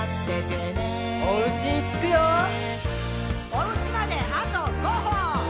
「おうちまであと５歩！」